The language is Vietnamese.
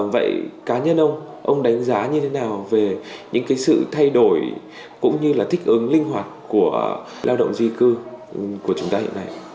vậy cá nhân ông ông đánh giá như thế nào về những cái sự thay đổi cũng như là thích ứng linh hoạt của lao động di cư của chúng ta hiện nay